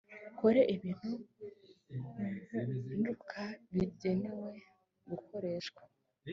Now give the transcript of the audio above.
kore ibintu birenduka bigenewe gukoreshwa